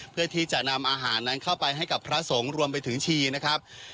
เพื่อที่จะนำอาหารนั้นเข้าไปให้กับพระสงฆ์รวมไปถึงชีนะครับ